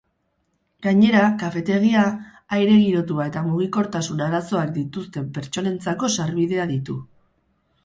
Gainera, kafetegia, aire girotua eta mugikortasun arazoak dituzten pertsonentzako sarbidea ditu.